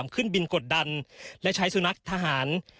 ขึ้นบินกดดันและใช้สุนัขทหาร